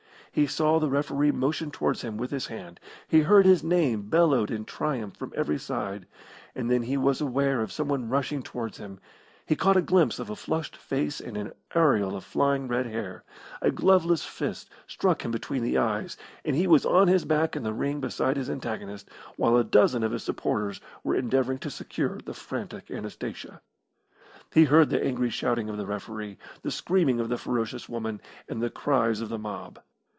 He saw the referee motion towards him with his hand. He heard his name bellowed in triumph from every side. And then he was aware of someone rushing towards him; he caught a glimpse of a flushed face and an aureole of flying red hair, a gloveless fist struck him between the eyes, and he was on his back in the ring beside his antagonist, while a dozen of his supporters were endeavouring to secure the frantic Anastasia. He heard the angry shouting of the referee, the screaming of the furious woman, and the cries of the mob.